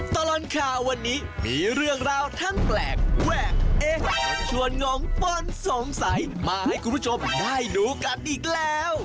ตลอดข่าววันนี้มีเรื่องราวทั้งแปลกแวกเอ๊ะชวนงงป้นสงสัยมาให้คุณผู้ชมได้ดูกันอีกแล้ว